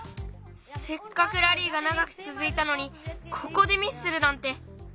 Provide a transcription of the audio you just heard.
せっかくラリーがながくつづいたのにここでミスするなんて！